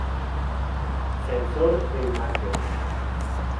Sensor de imagen.